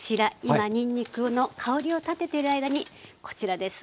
今にんにくの香りを立てている間にこちらです